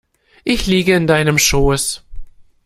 Ich liege in deinem Schoß.